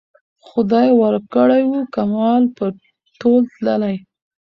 خدای ورکړی وو کمال په تول تللی